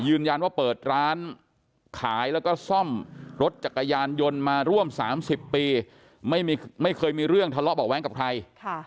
ยืนยันว่าเปิดร้านขายแล้วก็ซ่อมรถจักรยานยนต์มาร่วม๓๐ปีไม่เคยมีเรื่องทะเลาะเบาะแว้งกับใคร